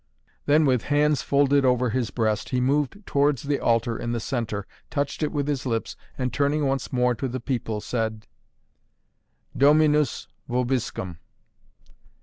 Then, with hands folded over his breast, he moved towards the altar in the centre, touched it with his lips, and, turning once more to the people, said: "Dominus Vobiscum!"